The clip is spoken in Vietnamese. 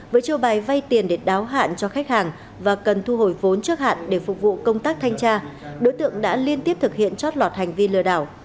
với chiêu bài vay tiền để đáo hạn cho khách hàng và cần thu hồi vốn trước hạn để phục vụ công tác thanh tra đối tượng đã liên tiếp thực hiện chót lọt hành vi lừa đảo